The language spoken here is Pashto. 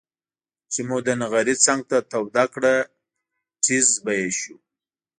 چې مو د نغري څنګ ته توده کړه تيزززز به یې شو.